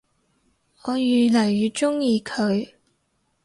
我愈來愈鍾意佢